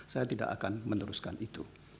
saya tidak akan meneruskan itu